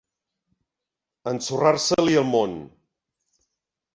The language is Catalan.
Ensorrar-se-li el món.